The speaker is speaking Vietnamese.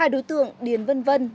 hai đối tượng điền vân vân